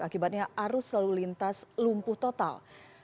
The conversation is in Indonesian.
akibatnya arus lalu lintas lumpuh total